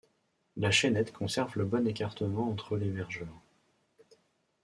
La chaînette conserve le bon écartement entre les vergeures.